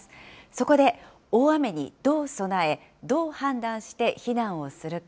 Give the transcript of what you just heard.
そこで、大雨にどう備え、どう判断して避難をするか。